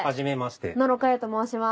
野呂佳代と申します。